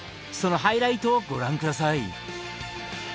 そのハイライトをご覧下さい。